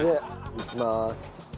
いきます。